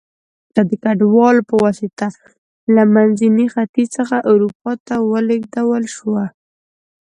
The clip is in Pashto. دا د کډوالو په واسطه له منځني ختیځ څخه اروپا ته ولېږدول شوه